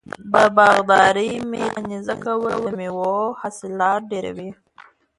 د باغدارۍ میکانیزه کول د میوو حاصلات ډیروي.